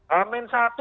pak bu ripka ngawur itu